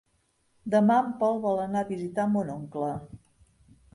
Demà en Pol vol anar a visitar mon oncle.